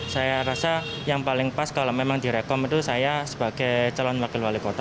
saya rasa yang paling pas kalau memang direkom itu saya sebagai calon wakil wali kota